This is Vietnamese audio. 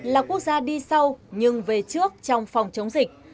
là quốc gia đi sau nhưng về trước trong phòng chống dịch